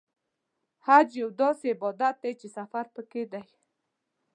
حج یو داسې عبادت دی چې سفر پکې دی.